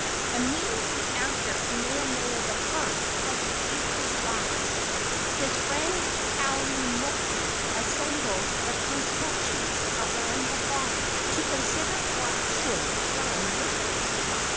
Immediately after Kamehameha I. had breathed his last his friend Kalaimoku assembled the principal chiefs around the body to consider what should be done with it.